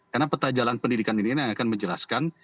karena peta jalan pendidikan ini akan menjelaskan